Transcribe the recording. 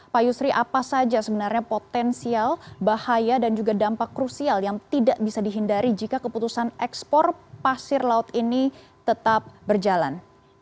pak yusri apa saja sebenarnya potensial bahaya dan juga dampak krusial yang tidak bisa dihindari jika keputusan ekspor pasir laut ini tetap berjalan